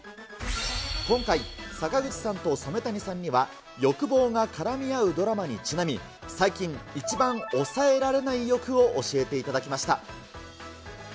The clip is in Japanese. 今回、坂口さんと染谷さんには、欲望が絡み合うドラマにちなみ、最近、一番抑えられない欲を教えていただきました。